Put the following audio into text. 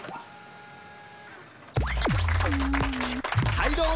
はいども！